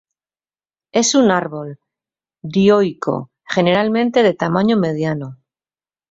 Es un árbol, dioico, generalmente de tamaño mediano.